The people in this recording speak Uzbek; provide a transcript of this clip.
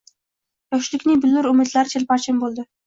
Yoshlikning billur umidlari chilparchin bo‘ldi.